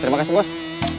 terima kasih bos